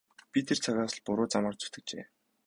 Би тэр цагаас л буруу замаар зүтгэжээ.